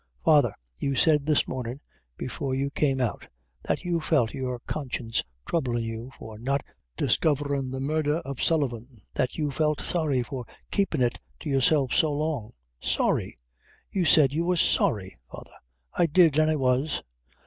"Father, you said this mornin', before you came out, that you felt your conscience troublin' you for not discoverin' the murdher of Sullivan; that you felt sorry for keepin' it to yourself so long sorry! you said you were sorry, father!" "I did, and I was."